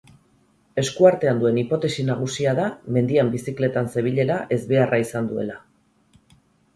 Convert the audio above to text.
Esku-artean duen hipotesi nagusia da mendian bizikletan zebilela ezbeharra izan duela.